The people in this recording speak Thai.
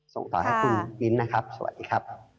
ส่งต่อให้คุณมิ้นนะครับสวัสดีครับ